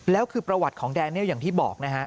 แล้วคือประวัติของแดเนียลอย่างที่บอกนะฮะ